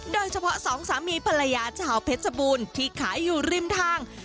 สองสามีภรรยาชาวเพชรบูรณ์ที่ขายอยู่ริมทาง